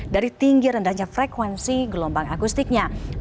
dari tinggi rendahnya frekuensi gelombang akustiknya